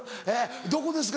どこですか？